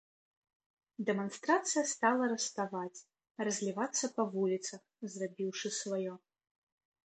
Дэманстрацыя стала раставаць, разлівацца па вуліцах, зрабіўшы сваё.